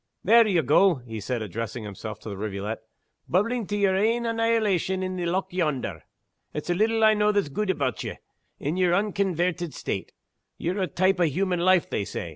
"There ye go," he said, addressing himself to the rivulet, "bubblin' to yer ain annihilation in the loch yonder! It's little I know that's gude aboot ye, in yer unconvairted state. Ye're a type o' human life, they say.